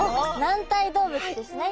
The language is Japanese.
軟体動物ですね。